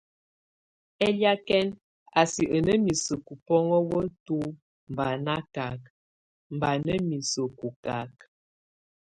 Eliakɛn a sɛk a ná miseku bɔ́ŋɔ weto bá nakak, bá na miseku kak.